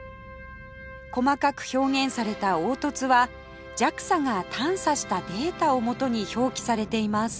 細かく表現された凹凸は ＪＡＸＡ が探査したデータを基に表記されています